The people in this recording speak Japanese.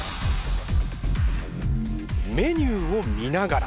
メニューを見ながら。